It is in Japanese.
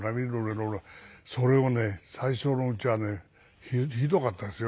それをね最初のうちはねひどかったですよ。